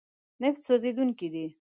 نفت سوځېدونکی دی.